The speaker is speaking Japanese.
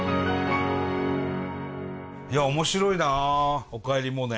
いや面白いな「おかえりモネ」。